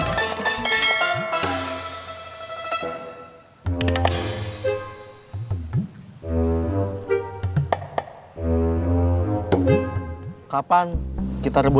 pertolongan buat looked lampu